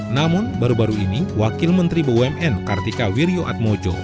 namun baru baru ini wakil menteri bumn kartika wirjoatmojo